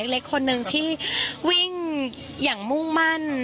เล็กคนหนึ่งที่วิ่งอย่างมุ่งมั่น